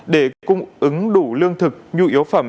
để cung ứng đủ lương thực nhu yếu phẩm